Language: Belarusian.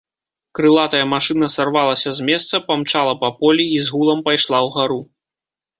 Крылатая машына сарвалася з месца, памчала па полі і з гулам пайшла ўгару.